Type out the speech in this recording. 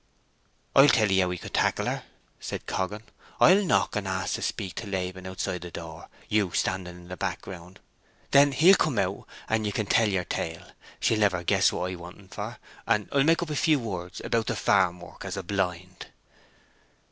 "I'll tell 'ee how we could tackle her," said Coggan. "I'll knock and ask to speak to Laban outside the door, you standing in the background. Then he'll come out, and you can tell yer tale. She'll never guess what I want en for; and I'll make up a few words about the farm work, as a blind."